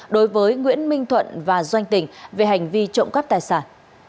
đối với nguyễn minh thuận và doanh tỉnh về hành vi trộm cắp tài sản